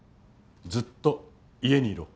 ずっと家にいろ。